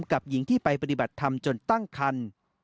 กับหญิงที่ไปปฏิบัติธรรมจนตั้งคัน